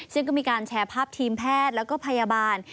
ซึ่งก็มีการแชร์ภาพทีมแพทย์แล้วก็พยาบาล